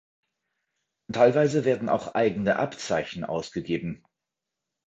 Teilweise werden auch eigene Abzeichen ausgegeben.